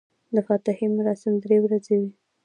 د فاتحې مراسم درې ورځې وي.